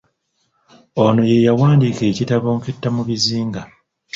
Ono ye yawandiika ekitabo “ Nketta mu bizinga".